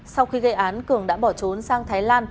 sau khi gây án cường đã bỏ trốn sang thái lan